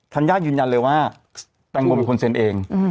ัญญายืนยันเลยว่าแตงโมเป็นคนเซ็นเอง